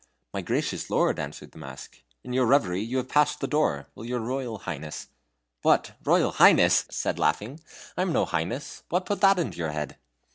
"My gracious lord," answered the mask, "in your reverie you have passed the door. Will your Royal Highness " "What? Royal Highness?" said laughing. "I am no highness. What put that in your head?"